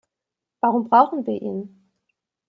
Warum brauchen wir ihn?